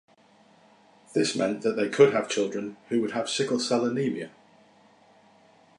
This meant that they could have children who would have sickle cell anemia.